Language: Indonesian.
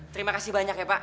terima kasih banyak ya pak